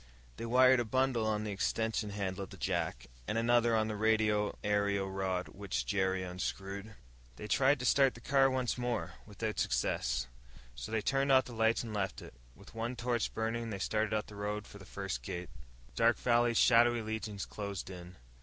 They wired a bundle on the extension handle of the jack, and another on the radio aerial rod which Jerry unscrewed. They tried to start the car once more, without success. So they turned off the lights and left it. With one torch burning, they started up the road for the first gate. Dark Valley's shadowy legions closed in.